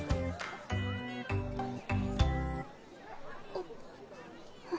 あっ。